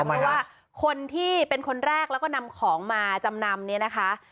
เพราะว่าคนที่เป็นคนแรกแล้วก็นำของมาจำนำเนี่ยนะคะ